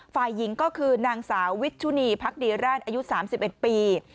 ฝ่ายหญิงก็คือนางสาววิชชุนีพักดีราชอายุ๓๑ปี